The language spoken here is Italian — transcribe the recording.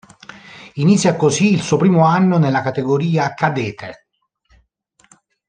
Inizia così il suo primo anno nella categoria "cadete".